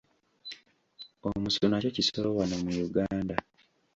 Omusu nakyo kisolo wano mu Uganda.